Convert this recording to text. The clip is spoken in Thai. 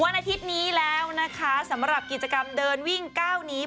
อาทิตย์นี้แล้วนะคะสำหรับกิจกรรมเดินวิ่งก้าวนี้